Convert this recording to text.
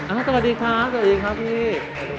สวัสดีครับสวัสดีครับพี่